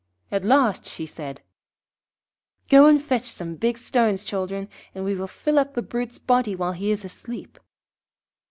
At last she said: 'Go and fetch some big stones, children, and we will fill up the brute's body while he is asleep.'